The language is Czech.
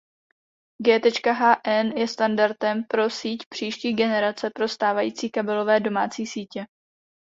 G.hn je standardem pro síť příští generace pro stávající kabelové domácí sítě.